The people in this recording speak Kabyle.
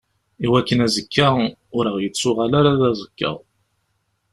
Iwakken azekka ur aɣ-yettuɣal ara d aẓekka.